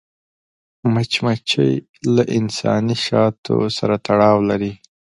مچمچۍ له انساني شاتو سره تړاو لري